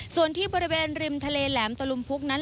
ส่วนที่บริเวณริมทะเลแหลมตะลุมพุกนั้น